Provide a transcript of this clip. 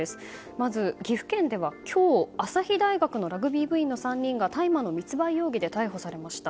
まず、岐阜県では今日朝日大学のラグビー部の３人が大麻の密売容疑で逮捕されました。